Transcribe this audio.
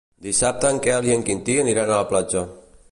Dissabte en Quel i en Quintí aniran a la platja.